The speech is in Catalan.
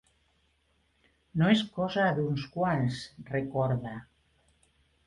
No és cosa d’uns quants, recorda.